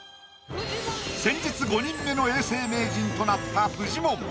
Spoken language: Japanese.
先日５人目の永世名人となったフジモン。